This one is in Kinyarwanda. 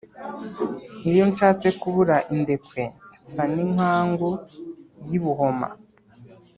Iyo nshatse kubura indekwe nsa n'inkangu y'i Buhoma